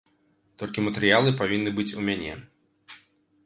Толькі матэрыялы павінны быць у мяне.